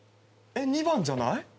２番じゃない？